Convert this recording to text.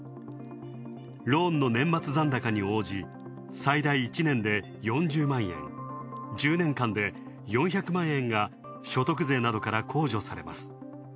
ローンの年末残高に応じ最大１年で４０万円。１０年間で４００万円が所得税などから控除されます。